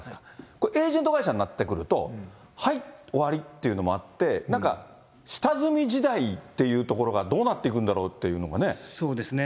これ、エージェント会社になってくると、はい、終わりっていうのもあって、なんか、下積み時代っていうところが、どうなっていくそうですね。